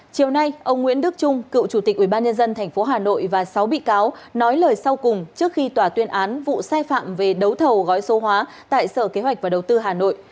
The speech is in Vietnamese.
chiều nay ông nguyễn đức trung cựu chủ tịch ubnd tp hà nội và sáu bị cáo nói lời sau cùng trước khi tòa tuyên án vụ sai phạm về đấu thầu gói số hóa tại sở kế hoạch và đầu tư hà nội